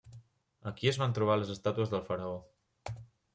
Aquí es van trobar les estàtues del faraó.